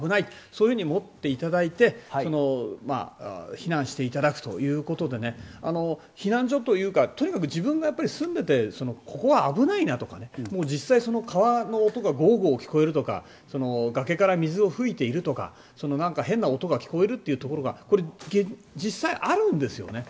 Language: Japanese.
そう思っていただいて避難していただくということで避難所というかとにかく自分が住んでいて、ここは危ないなとか実際に川の音がゴーゴー聞こえるとか崖から水を噴いているとか変な音が聞こえるというところが実際あるんですよね。